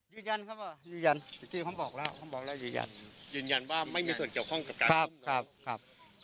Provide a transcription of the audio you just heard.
ยืนยันครับว่ายืนยันที่เขาบอกแล้วยืนยันว่าไม่มีส่วนเกี่ยวข้องกับการทุ่ม